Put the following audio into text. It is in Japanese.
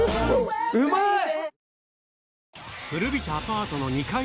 うまい！